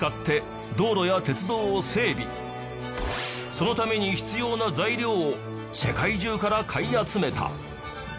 そのために必要な材料を世界中から買い集めた